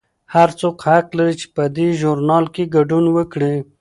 هر څوک حق لري چې په دې ژورنال کې ګډون وکړي.